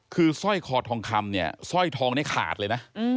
คือสร้อยคอทองคำเนี่ยสร้อยทองนี้ขาดเลยนะ